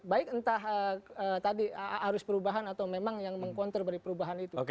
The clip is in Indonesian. baik entah tadi arus perubahan atau memang yang meng counter dari perubahan itu